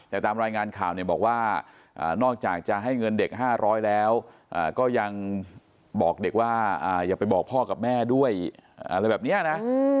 แต่ตามรายงานข่าวเนี่ยบอกว่านอกจากจะให้เงินเด็ก๕๐๐แล้วก็ยังบอกเด็กว่าอย่าไปบอกพ่อกับแม่ด้วยอะไรแบบนี้นะ